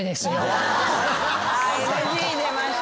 ＮＧ出ました。